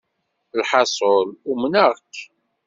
Lḥaṣul, umneɣ-k.